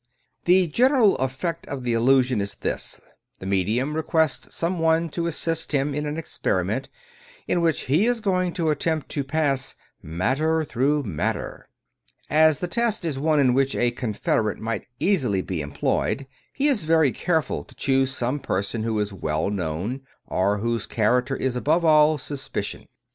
The general effect of the illusion is this : The medium requests some one to assist him in an experi ment in which he: is going to attempt to pass "matter through matter." As the test is one in which a confederate might easily be employed, he is very careful to choose some person who is well known, or whose character is above all suspicion.